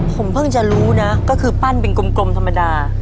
ผมเพิ่งจะรู้นะก็คือปั้นเป็นกลมธรรมดา